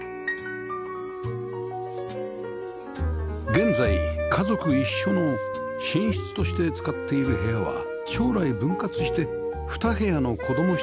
現在家族一緒の寝室として使っている部屋は将来分割して２部屋の子供室にする予定